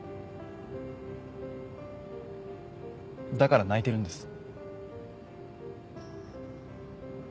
だから泣いてるんです。